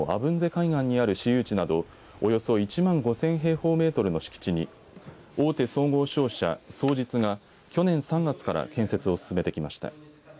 海岸にある市有地などおよそ１万５０００平方メートルの敷地に大手総合商社双日が去年３月から建設を進めてきました。